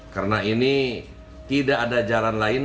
karena ini tidak ada jalan lain